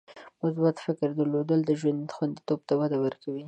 د مثبت فکر درلودل د ژوند خوندیتوب ته وده ورکوي.